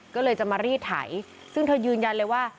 ก็เลยจะมารีดไถซึ่งเธอยืนยันเลยว่า